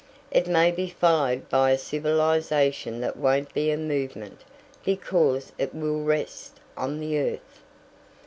It may be followed by a civilization that won't be a movement, because it will rest on the earth.